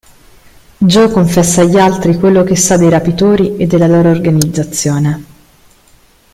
Joe confessa agli altri quello che sa dei rapitori e della loro organizzazione.